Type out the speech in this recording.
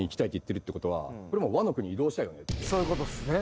そういうことっすね。